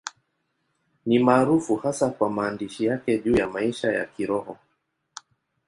Ni maarufu hasa kwa maandishi yake juu ya maisha ya Kiroho.